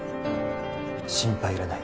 心配いらない